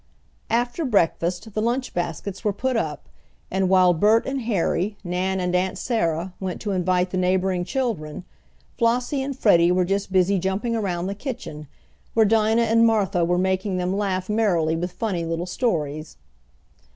After breakfast the lunch baskets were put up and while Bert and Harry, Nan and Aunt Sarah, went to invite the neighboring children, Flossie and Freddie were just busy jumping around the kitchen, where Dinah and Martha were making them laugh merrily with funny little stories.